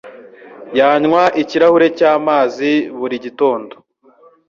Yanywa ikirahuri cyamazi buri gitondo.